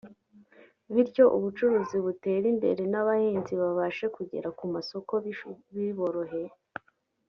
bityo ubucuruzi butere imbere n’abahinzi babashe kugera ku masoko biboroheye